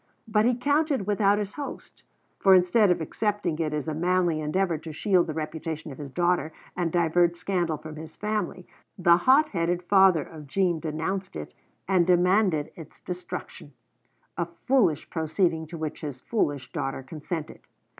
But he counted without his host; for instead of accepting it as a manly endeavor to shield the reputation of his daughter and divert scandal from his family, the hot headed father of Jean denounced it and demanded its destruction, a foolish proceeding to which his foolish daughter consented.